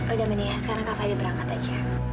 udah meniak sekarang kak fadil berangkat saja